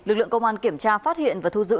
lực lượng công an kiểm tra phát hiện và thu giữ